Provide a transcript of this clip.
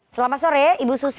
selamat sore ibu susi